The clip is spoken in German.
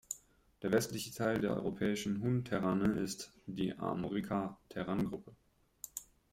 Der westliche Teil der Europäischen Hun-Terrane ist die Armorica-Terrangruppe.